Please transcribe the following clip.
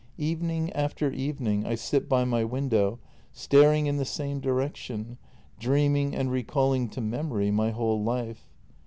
Evening after evening I sit by my window staring in the same direction, dreaming and recalling to memory my whole life.